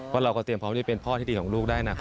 ว่าเราก็เตรียมพร้อมให้เป็นพ่อที่ดีของลูกได้นะ